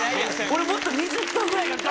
俺もっと２０頭ぐらいがが！